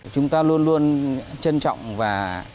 chúng ta luôn luôn trân trọng và